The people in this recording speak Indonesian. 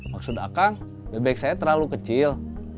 maksud akag bebek saya terlalu kecil